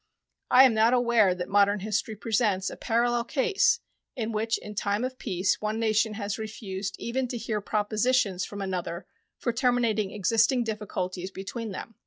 I am not aware that modern history presents a parallel case in which in time of peace one nation has refused even to hear propositions from another for terminating existing difficulties between them.